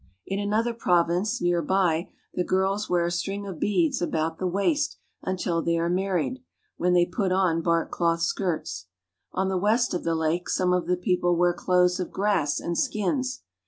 In another province near by the girls wear a string of beads about the waist until they are married, when they put on bark cloth skirts. On the west of the lake some of the people wear clothes of grass and skins.